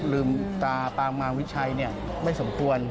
ลืมตาปางมาวิชัยไม่สมควร